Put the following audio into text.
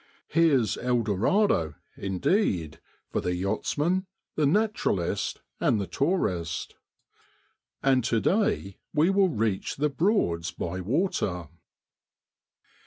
Here's El Dorado, indeed, for the yachtsman, the naturalist, and the tourist ! And to day we will reach the Broads by water.